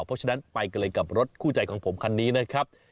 เพราะฉะนั้นไปกันเลยกับรถคู่ใจของผมคันนี้นะครับ